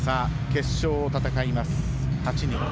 決勝を戦います、８人。